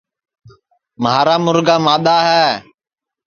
مھارا مُرگا مادؔا ہے